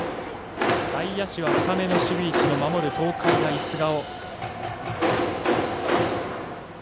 外野手は深めの守備位置を守る東海大菅生。